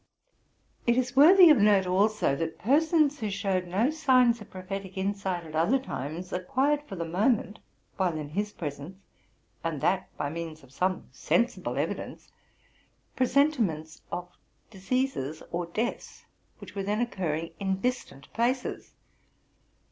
It is worthy of note also, that persons who showed no signs of prophetic insight at other times, acquired, for the moment, while in his presence, and that by means of some sensible evidence, presentiments of diseases or deaths which were then occurring in distant places.